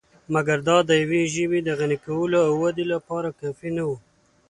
مګر دا دیوې ژبې د غني کولو او ودې لپاره کافی نه وو .